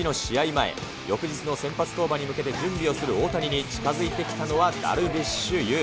前、翌日の先発登板に向けて準備をする大谷に近づいてきたのは、ダルビッシュ有。